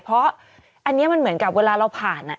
เพราะอันนี้มันเหมือนกับเวลาเราผ่าน